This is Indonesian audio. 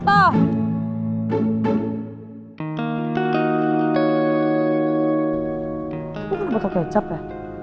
itu bukan botol kecap ya